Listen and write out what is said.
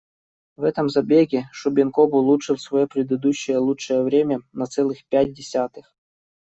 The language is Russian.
В этом забеге Шубенков улучшил своё предыдущее лучшее время на целых пять десятых.